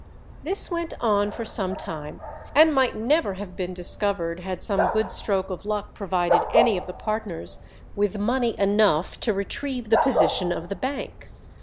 This went on for some time, and might never have been discovered had some good stroke of luck provided any of the partners with money enough to retrieve the position of the bank.